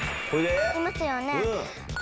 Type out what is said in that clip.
いますよね。